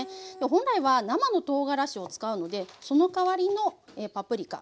本来は生のとうがらしを使うのでそのかわりのパプリカ。